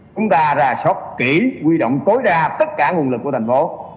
chúng ta ra sót kỹ huy động tối đa tất cả nguồn lực của thành phố